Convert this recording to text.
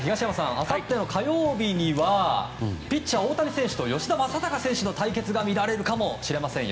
あさっての火曜日にはピッチャー大谷選手と吉田正尚選手の対決が見られるかもしれませんよ。